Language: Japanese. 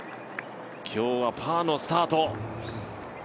今日はパーのスタート。